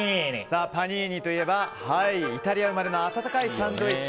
パニーニといえばイタリア生まれの温かいサンドイッチ。